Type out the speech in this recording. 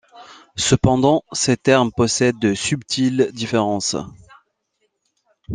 Cependant, ces termes possèdent de subtiles différences.